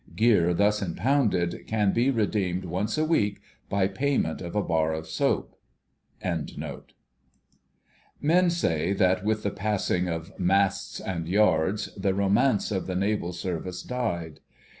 Gear thus impounded can be redeemed once a week by payment of a bar of soap. Men say that with the passing of "Masts and Yards" the romance of the Naval Service died.